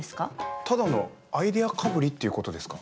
ただのアイデアかぶりっていうことですか？